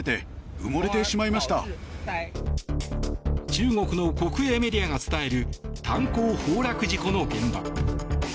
中国の国営メディアが伝える炭鉱崩落事故の現場。